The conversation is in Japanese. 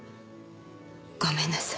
ごめんなさい。